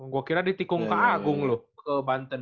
gue kira di tikung ke agung loh ke banten